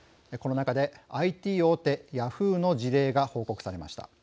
この中でＩＴ大手ヤフーの事例が報告されました。